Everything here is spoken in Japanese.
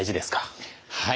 はい。